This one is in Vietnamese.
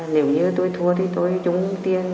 nếu như tôi thua thì tôi trúng tiền